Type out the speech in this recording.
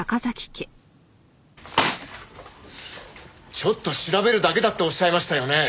ちょっと調べるだけだっておっしゃいましたよね？